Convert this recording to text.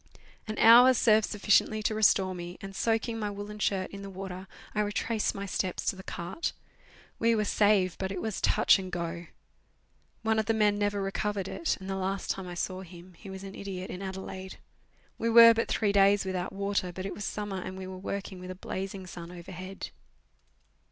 An hour served sufficiently to restore me, and, soaking my woollen shirt in the water, I retraced my steps to the cart. We were saved, but it was touch and go. One of the men never recovered it, and the last time I saw him he was nu idiot in Adelaide. We were but three days without water, but it was summer, and we were working with a blazing sun overhead.